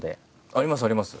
ありますあります。